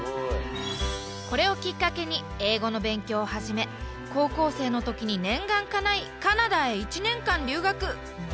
これをきっかけに英語の勉強を始め高校生の時に念願かないカナダへ１年間留学。